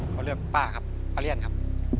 พ่อเลือกป้าครับ